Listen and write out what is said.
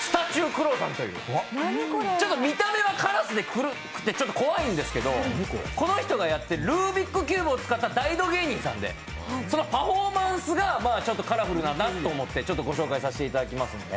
スタチュークロウさんという、見た目はからすで黒くて怖いんですけど、ルービックキューブを使った大道芸人さんでそのパフォーマンスがカラフルだなと思って御紹介させてもらいます。